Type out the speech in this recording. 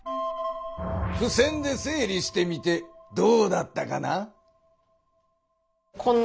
ふせんで整理してみてどうだったかな？